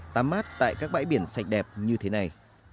tắm mát tại các bãi biển sạch đẹp như thế này